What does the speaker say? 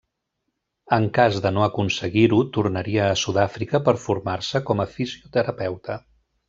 En cas de no aconseguir-ho tornaria a Sud-àfrica per formar-se com a fisioterapeuta.